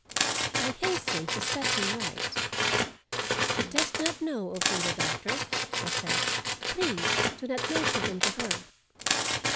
I hastened to set him right. "She does not know of either, Doctor," I said. "Please do not mention them to her."